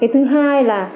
thứ hai là